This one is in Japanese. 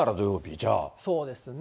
そうですね。